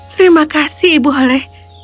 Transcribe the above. terima kasih ibu hole